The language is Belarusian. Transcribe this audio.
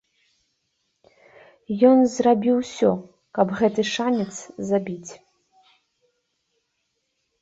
Ён зрабіў усё, каб гэты шанец забіць.